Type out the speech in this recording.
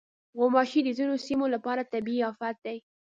غوماشې د ځینو سیمو لپاره طبعي افت دی.